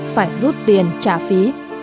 phải rút tiền trả phí